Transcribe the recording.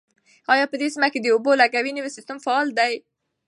آیا په دې سیمه کې د اوبو لګولو نوی سیستم فعال دی؟